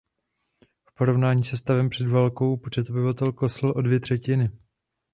V porovnání se stavem před válkou počet obyvatel poklesl o dvě třetiny.